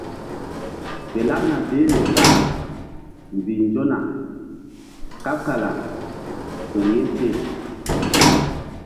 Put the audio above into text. Fe laɓna behle kpah mbih nzona kaɓ kala sol ye se.